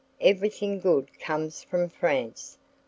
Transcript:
Everything good comes from France.